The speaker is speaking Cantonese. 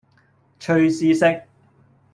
隨時食